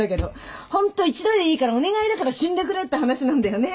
ホント一度でいいからお願いだから死んでくれって話なんだよね。